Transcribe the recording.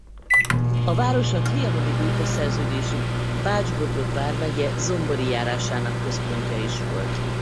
A város a trianoni békeszerződésig Bács-Bodrog vármegye Zombori járásának központja is volt.